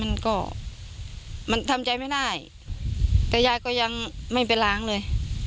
มันก็มันทำใจไม่ได้แต่ยายก็ยังไม่ไปล้างเลย